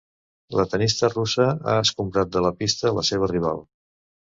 La tennista russa ha escombrat de la pista la seva rival.